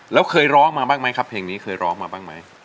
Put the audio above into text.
แล้วเคยร้องมาบ้างไหมครับเพลงนี้เคยร้องมาบ้างไหม